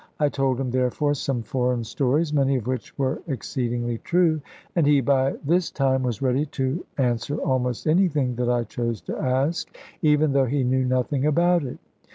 I told him therefore some foreign stories, many of which were exceedingly true, and he by this time was ready to answer almost anything that I chose to ask, even though he knew nothing about it.